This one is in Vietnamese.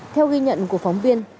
theo ghi nhận của phóng viên